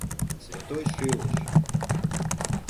Святой шӱлыш!